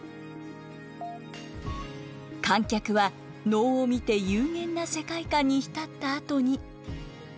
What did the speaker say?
観客は能を見て幽玄な世界観に浸ったあとに。